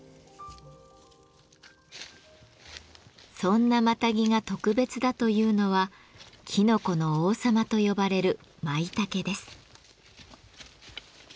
そんなマタギが特別だというのは「きのこの王様」と呼ばれるマイタケです。